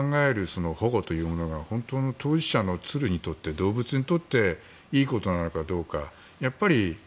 人間が考える保護というのは当事者の鶴にとって動物にとっていいことなのかどうか。